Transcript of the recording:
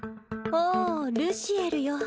おおルシエルよ